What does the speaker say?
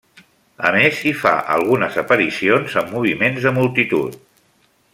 A més, hi fa algunes aparicions en moviments de multitud.